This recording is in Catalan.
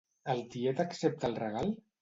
El tiet accepta el regal?